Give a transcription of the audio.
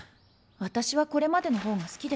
わたしはこれまでの方が好きでした。